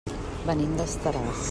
Venim d'Estaràs.